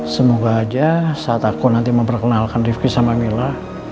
semoga aja saat aku nanti memperkenalkan rifki sama mila